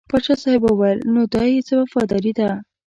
پاچا صاحب وویل نو دا یې څه وفاداري ده.